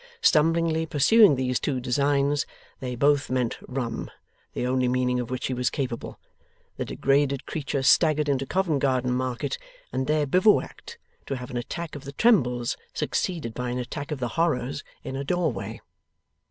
Stumblingly pursuing these two designs they both meant rum, the only meaning of which he was capable the degraded creature staggered into Covent Garden Market and there bivouacked, to have an attack of the trembles succeeded by an attack of the horrors, in a doorway.